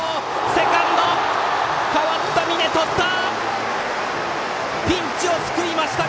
セカンド、代わった峯がとった！